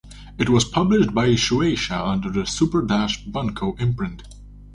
It was published by Shueisha under the Super Dash Bunko imprint.